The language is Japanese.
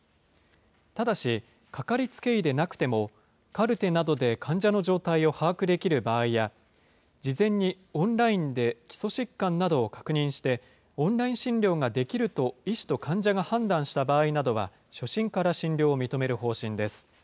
ただし、掛かりつけ医でなくても、カルテなどで患者の状態を把握できる場合や、事前にオンラインで基礎疾患などを確認して、オンライン診療ができると、医師と患者が判断した場合などは、初診から診療を認める方針です。